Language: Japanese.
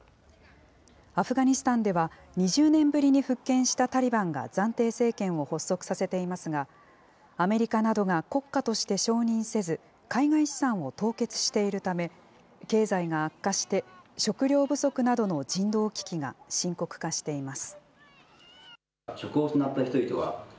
アフガニスタンでは、２０年ぶりに復権したタリバンが暫定政権を発足させていますが、アメリカなどが国家として承認せず、海外資産を凍結しているため、経済が悪化して、食料不足などの人道危機が深刻化しています。